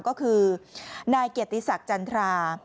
ก็คือนายเกียรติศักดิ์จันทรา